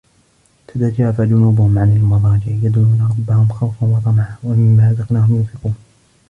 تَتَجافى جُنوبُهُم عَنِ المَضاجِعِ يَدعونَ رَبَّهُم خَوفًا وَطَمَعًا وَمِمّا رَزَقناهُم يُنفِقونَ